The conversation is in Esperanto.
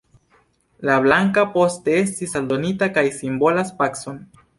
La blanka poste estis aldonita kaj simbolas pacon.